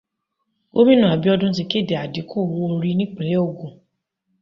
Gómìnà Abíọ́dún ti kéde àdínkù owó orí nípinlẹ̀ Ògùn.